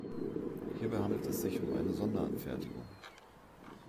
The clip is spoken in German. Hierbei handelt es sich um eine Sonderanfertigung.